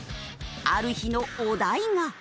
ある日のお題が。